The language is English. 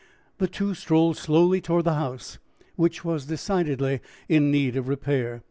The two strolled slowly towards the house, which was decidedly in need of repair.